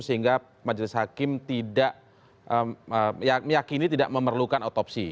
sehingga majelis hakim tidak meyakini tidak memerlukan otopsi